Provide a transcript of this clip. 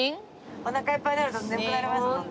おなかいっぱいになると眠くなりますもんね。